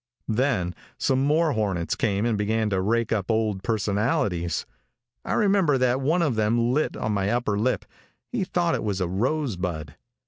Then some more hornets came and began to rake up old personalities. I remember that one of them lit on my upper lip. He thought it was a rosebud.